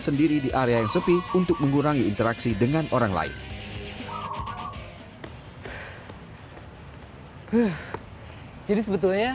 sendiri di area yang sepi untuk mengurangi interaksi dengan orang lain jadi sebetulnya